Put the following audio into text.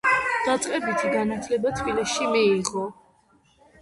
დაწყებითი განათლება თბილისში მიიღო.